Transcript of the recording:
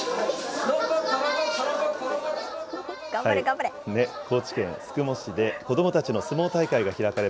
頑張れ、頑張れ。